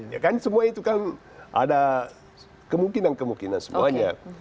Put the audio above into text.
ya kan semua itu kan ada kemungkinan kemungkinan semuanya